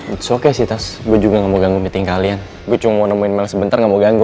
it's okay sih tas gue juga gak mau ganggu meeting kalian gue cuma mau nemuin mel sebentar gak mau ganggu